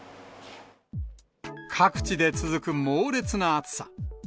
各地で続く猛烈な暑さ。